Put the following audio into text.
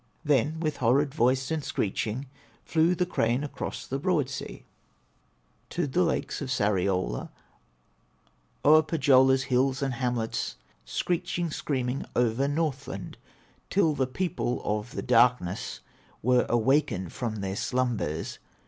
Then with horrid voice, and screeching, Flew the crane across the broad sea To the lakes of Sariola, O'er Pohyola's hills and hamlets, Screeching, screaming, over Northland, Till the people of the darkness Were awakened from their slumbers.